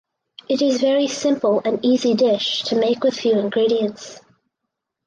It is very simple and easy dish to make with few ingredients.